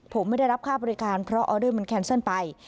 ผมไม่ได้รับค่าบริการเพราะออเดอร์มันแคนเซิลไป